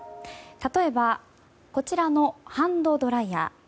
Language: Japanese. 例えばこちらのハンドドライヤー。